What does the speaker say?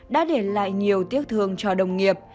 đã để lại nhiều tiếc thương cho đồng nghiệp